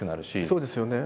そうですよね。